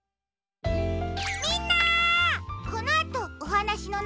みんな！